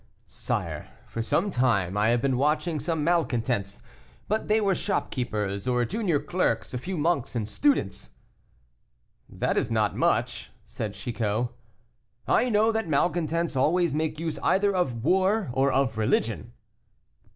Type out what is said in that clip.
"Sire, for some time I have been watching some malcontents, but they were shopkeepers, or junior clerks, a few monks and students." "That is not much," said Chicot. "I know that malcontents always make use either of war or of religion."